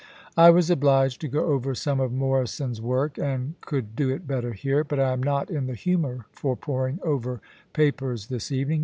* I was obliged to go over some of Morrison's work, and could do it better here ; but I am not in the humour for poring over papers this evening.